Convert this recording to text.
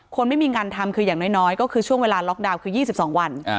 ไม่มีงานทำคืออย่างน้อยก็คือช่วงเวลาล็อกดาวน์คือ๒๒วัน